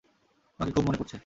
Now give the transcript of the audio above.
তোমাকে খুব মনে পরছে।